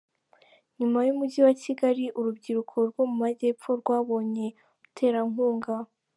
Nyuma y’umujyi wa Kigali, urubyiruko rwo mu Majyepfo rwabonye umuterankunga